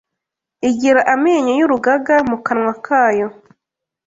Igira amenyo y'urugaga mu kanwa kayo